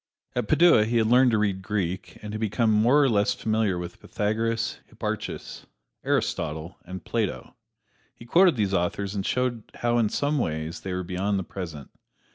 At Padua he had learned to read Greek, and had become more or less familiar with Pythagoras, Hipparchus, Aristotle and Plato. He quoted these authors and showed how in some ways they were beyond the present.